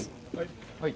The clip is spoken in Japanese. はい。